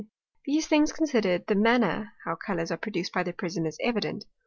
These things consider'd, the manner, how Colours are produced by the Prism, is evident.